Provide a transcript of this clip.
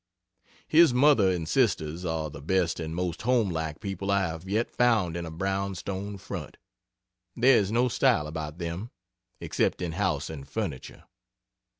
His mother and sisters are the best and most homelike people I have yet found in a brown stone front. There is no style about them, except in house and furniture.